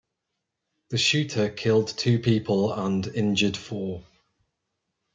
The shooter killed two people and injured four.